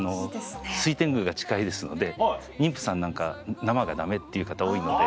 水天宮が近いですので妊婦さんなんか生がダメっていう方多いので。